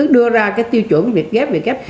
đưa ra cái tiêu chuẩn việt gap việt gap